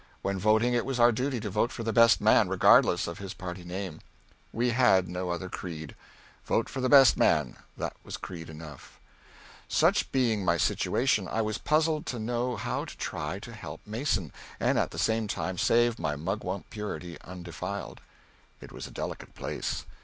When voting, it was our duty to vote for the best man, regardless of his party name. We had no other creed. Vote for the best man that was creed enough. Such being my situation, I was puzzled to know how to try to help Mason, and, at the same time, save my mugwump purity undefiled. It was a delicate place.